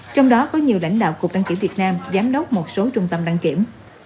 trong đó có nhiều lãnh đạo cục đăng kiểm việt nam giám đốc một số trung tâm đăng kiểm